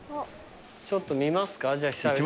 ちょっと見ますか久々に。